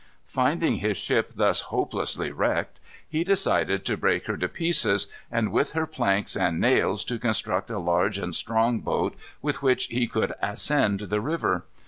Finding his ship thus hopelessly wrecked, he decided to break her to pieces, and with her planks and nails to construct a large and strong boat with which he could ascend the river.